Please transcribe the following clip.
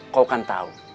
kau kan tau